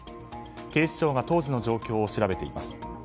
警視庁が当時の状況を調べています。